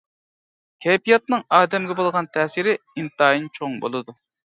كەيپىياتنىڭ ئادەمگە بولغان تەسىرى ئىنتايىن چوڭ بولىدۇ.